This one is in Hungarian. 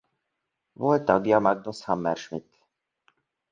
Volt tagja Magnus Hammersmith.